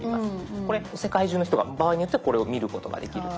世界中の人が場合によってはこれを見ることができると。